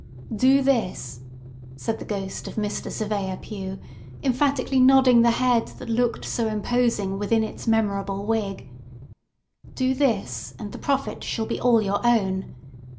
"Do this," said the ghost of Mr. Surveyor Pue, emphatically nodding the head that looked so imposing within its memorable wig; "do this, and the profit shall be all your own.